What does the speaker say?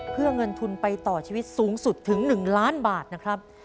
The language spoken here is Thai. เพื่อเงินทุนไปต่อชีวิตสูงสุดถึง๑ล้านบาทนะครับ